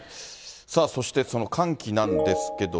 そしてその寒気なんですけれども。